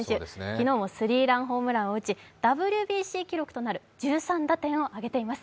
昨日もスリーランホームランを打ち、ＷＢＣ記録となる１３打点を挙げています。